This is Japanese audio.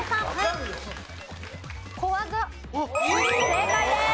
正解です。